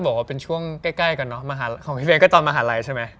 เบนก็เกี่ยวกับตอนมหาลัยใช่ไหม